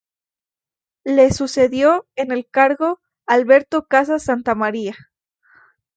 Le sucedió en el cargo Alberto Casas Santamaría.